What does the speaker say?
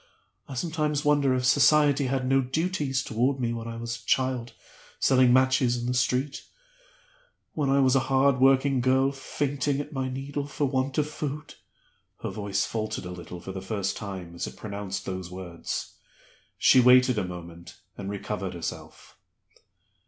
I sometimes wonder if Society had no duties toward me when I was a child selling matches in the street when I was a hard working girl fainting at my needle for want of food." Her voice faltered a little for the first time as it pronounced those words; she waited a moment, and recovered herself.